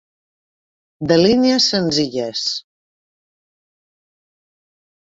De línies senzilles.